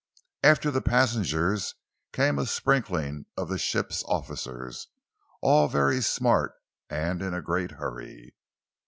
After the passengers came a sprinkling of the ship's officers, all very smart and in a great hurry.